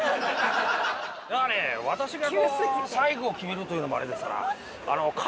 私が最後決めるというのもあれですから。